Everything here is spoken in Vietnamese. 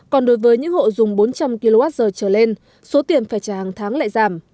còn đối với những hộ dùng bốn trăm linh kwh trở lên số tiền phải trả hàng tháng lại giảm